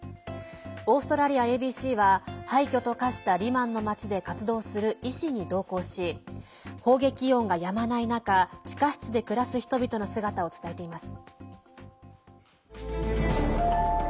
オーストラリアＡＢＣは廃墟と化したリマンの町で活動する医師に同行し砲撃音がやまない中地下室で暮らす人々の姿を伝えています。